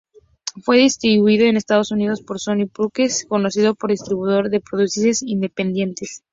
Fue distribuido en Estados Unidos por Sony Pictures Classics, conocido distribuidor de producciones independientes.